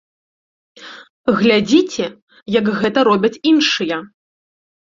Глядзіце, як гэта робяць іншыя!